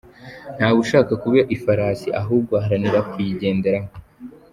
Ntawe ushaka kuba ifarasi ahubwo aharanira kuyigenderaho